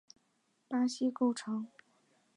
巴西构成。